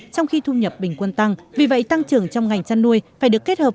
trong khi thu nhập bình quân tăng vì vậy tăng trưởng trong ngành chăn nuôi phải được kết hợp